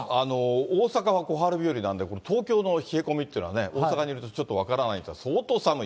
大阪は小春日和なんだけど、東京の冷え込みってのはね、大阪にいるとちょっと分からないけど相当寒い。